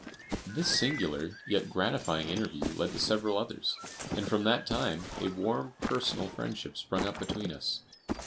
This singular yet gratifying interview led to several others, and from that time a warm personal friendship sprung up between us.